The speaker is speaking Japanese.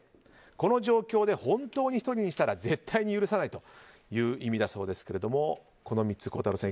この状況で本当に１人にしたら絶対に許さないという意味だそうですけどもこの３つ、孝太郎さん